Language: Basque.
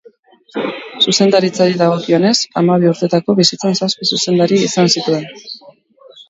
Zuzendaritzari dagokionez, hamabi urtetako bizitzan zazpi zuzendari izan zituen.